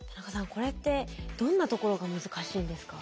これってどんなところが難しいんですか？